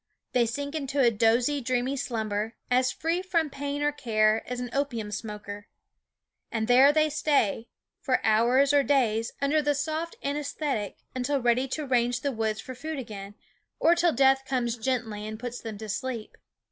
They sink into a dozy, dreamy slumber, as free from pain or care as an opium smoker. And there they stay, for hours or days, under the soft anaesthetic until ready to range the woods for food again, or till death comes gently and puts them to sleep.